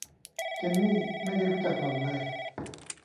เจนนี่ไม่ได้รู้จักหล่อนเลย